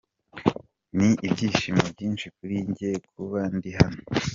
Ni ibyishimo byinshi kuri jye kuba ndi hano.